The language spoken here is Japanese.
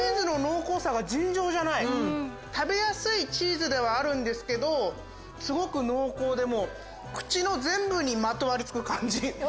食べやすいチーズではあるんですけどすごく濃厚で口の全部にまとわりつく感じ。